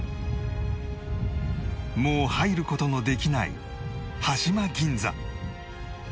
もう入る事のできない端島銀座